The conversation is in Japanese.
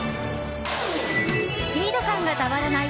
スピード感がたまらない